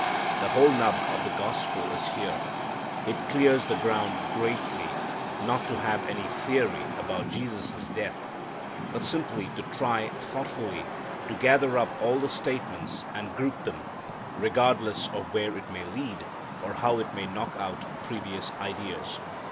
The whole nub of the gospel is here. It clears the ground greatly not to have any theory about Jesus' death, but simply to try thoughtfully to gather up all the statements and group them, regardless of where it may lead, or how it may knock out previous ideas.